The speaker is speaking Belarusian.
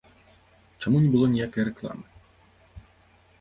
Чаму не было ніякай рэкламы?